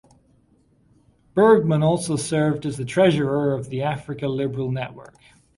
Bergman also served as the treasurer of the Africa Liberal Network.